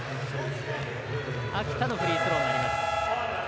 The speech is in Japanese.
秋田のフリースローになります。